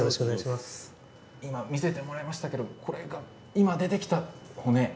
今見せてもらいましたけれども今出てきた骨。